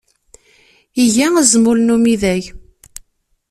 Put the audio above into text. Iga azmul n umidag.